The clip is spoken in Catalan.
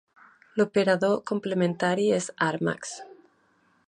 L'operador complementari és argmax.